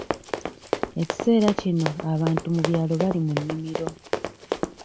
Ekiseera kino abantu mu byalo bali mu nnimiro.